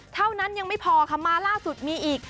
เท่านั้นยังไม่พอค่ะมาล่าสุดมีอีก